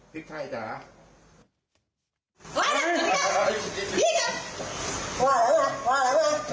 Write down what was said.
ภิกรไทยจ้ะ